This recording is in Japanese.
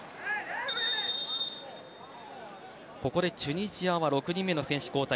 ここでチュニジアは６人目の選手交代。